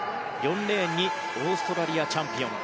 ４レーンにオーストラリアチャンピオン。